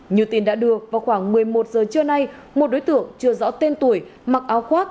như tin đã đưa vào khoảng một mươi một giờ trưa nay một đối tượng chưa rõ tên tuổi mặc áo khoác